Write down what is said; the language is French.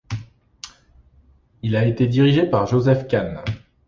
Il a été dirigé par Joseph Khan.